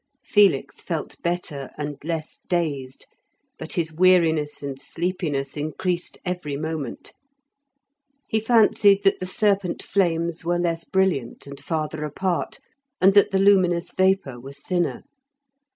Felix felt better and less dazed, but his weariness and sleepiness increased every moment. He fancied that the serpent flames were less brilliant and farther apart, and that the luminous vapour was thinner.